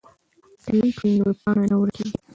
که لینک وي نو ویبپاڼه نه ورکیږي.